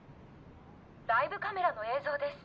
ライブカメラの映像です。